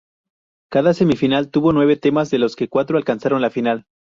Cada semifinal tuvo nueve temas, de los que cuatro alcanzaron la final.